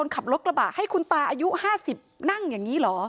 คุณตาอายุ๕๐นั่งอย่างนี้เหรอ